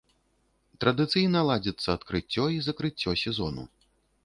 Традыцыйна ладзіцца адкрыццё і закрыццё сезону.